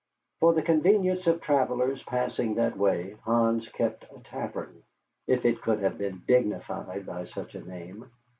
For the convenience of travellers passing that way, Hans kept a tavern, if it could have been dignified by such a name.